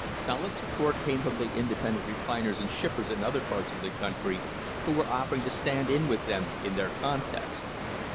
Solid support came from the inde pendent refiners and shippers in other parts of the country who were offering to stand in with them in their contest.